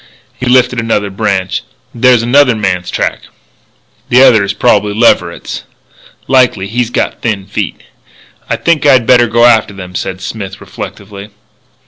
He lifted another branch. "There's another man's track!" "The other is probably Leverett's." "Likely. He's got thin feet." "I think I'd better go after them," said Smith, reflectively.